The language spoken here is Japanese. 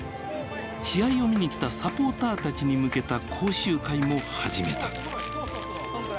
試合を見に来たサポーターたちに向けた講習会も始めた。